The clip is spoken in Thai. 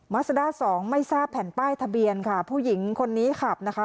ัสด้าสองไม่ทราบแผ่นป้ายทะเบียนค่ะผู้หญิงคนนี้ขับนะคะ